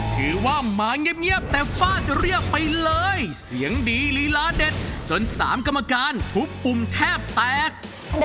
เรามาลุ้นด้วยกันครับเพื่อนกรรมการลงคะแนนได้เลย